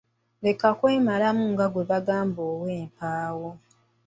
Leka kwemalamu nga gwe bagamba ogw'empaawo.